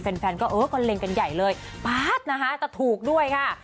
แฟนก็เล็งกันใหญ่เลยแต่ถูกด้วยค่ะ